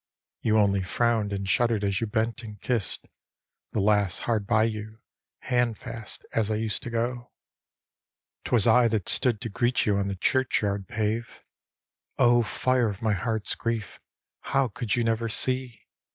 You only frowned and sliuddered as you bent and kissed The lass hard by you, handfast, as I used to go. D,gt,, erihyGOOgle AUSouU Niffkt 9 Twas I tfiat stood to greet you on the churchyard pave (O fire of my heart's grief, how could you never see?)